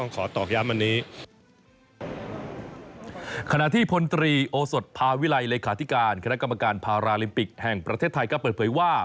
สถานการณ์กรรมการภาราลิมปิกแห่งประเทศไทยก็เปิดเพยินว่า